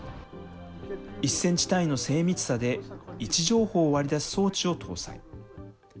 １センチ単位の精密さで、位置情報を割り出す装置を搭載。